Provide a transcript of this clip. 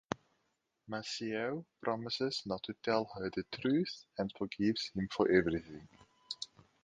Maciel promises not to tell her the truth and forgives him for everything.